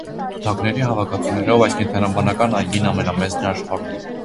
Թութակների հավաքածուներով այս կենդանաբանական այգին ամենամեծն է աշխարհում։